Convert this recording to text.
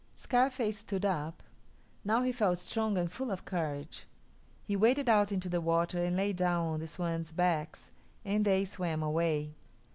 Scarface stood up. Now he felt strong and full of courage. He waded out into the water and lay down on the swans' backs, and they swam away.